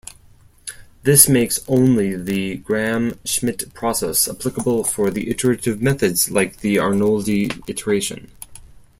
This makes only the Gram-Schmidt process applicable for iterative methods like the Arnoldi iteration.